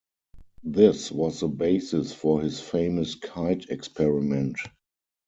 This was the basis for his famous kite experiment.